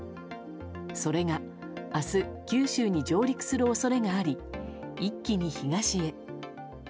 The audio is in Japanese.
それが明日九州に上陸する恐れがあり一気に東へ。